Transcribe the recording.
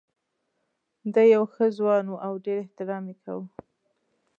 دی یو ښه ځوان و او ډېر احترام یې کاوه.